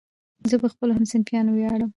زه په خپلو همصنفیانو ویاړم.